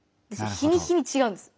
日に日にちがうんですよ。